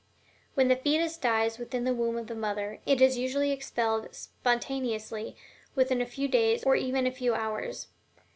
When the fetus dies within the womb of the mother, it is usually expelled spontaneously within a few days or even a few hours.